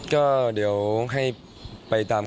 ก็เดี๋ยวให้ไปตามกระบวนการของเจ้าหน้าที่